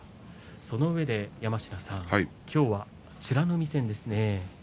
そのうえで山科さん、今日は美ノ海戦です。